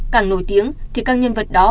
càng nổi tiếng thì các nhân vật đó